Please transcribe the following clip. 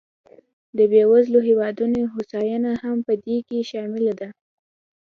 د بېوزلو هېوادونو هوساینه هم په دې کې شامله ده.